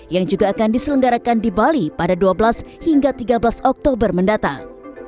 yang juga akan diselenggarakan di bali pada dua belas hingga tiga belas oktober mendatang